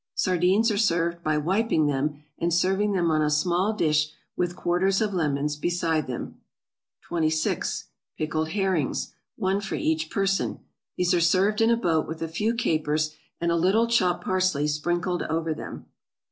_) Sardines are served by wiping them, and serving them on a small dish with quarters of lemons beside them. 26. =Pickled Herrings.= (One for each person.) These are served in a boat with a few capers, and a little chopped parsley sprinkled over them.